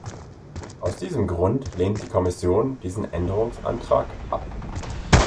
Aus diesem Grund lehnt die Kommission diesen Änderungsantrag ab.